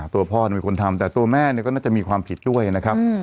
ตัวพ่อมีคนทำแต่ตัวแม่ก็น่าจะมีความผิดด้วยนะครับ